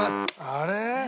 あれ？